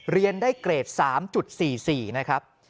เรียนได้เกรด๓๔๔นะครับ